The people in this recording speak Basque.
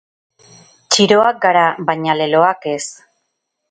Txiroak gara, baina leloak ez.